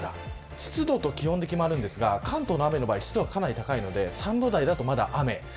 湿度と気温で決まるんですが関東の雨の場合湿度が高いので３度台だと雨。